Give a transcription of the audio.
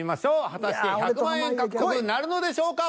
果たして１００万円獲得なるのでしょうか？